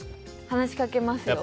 話しかけますよ。